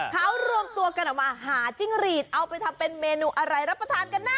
เขารวมตัวกันออกมาหาจิ้งหรีดเอาไปทำเป็นเมนูอะไรรับประทานกันนะ